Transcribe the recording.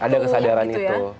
ada kesadaran itu